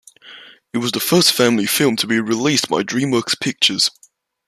It was the first family film to be released by DreamWorks Pictures.